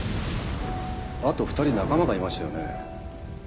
あと２人仲間がいましたよね？